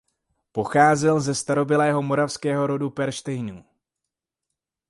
Pocházel ze starobylého moravského rodu Pernštejnů.